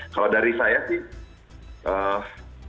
kalau dari saya sih